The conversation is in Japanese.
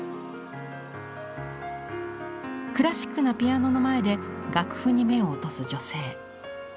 クラシックなピアノの前で楽譜に目を落とす女性。